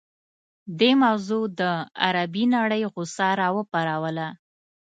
دې موضوع د عربي نړۍ غوسه راوپاروله.